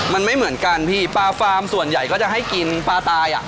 มันไม่เหมือนกันพี่ปลาฟาร์มส่วนใหญ่ก็จะให้กินปลาตายอ่ะ